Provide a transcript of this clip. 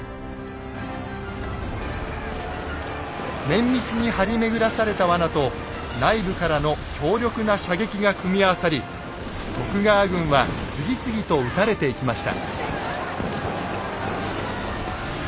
綿密に張り巡らされた罠と内部からの強力な射撃が組み合わさり徳川軍は次々と討たれていきました。